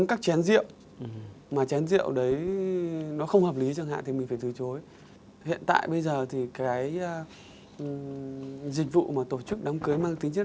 các công ty cung cấp dịch vụ tổ chức đám cưới danh nghĩa